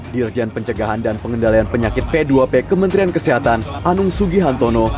dirjen pencegahan dan pengendalian penyakit p dua p kementerian kesehatan anung sugihantono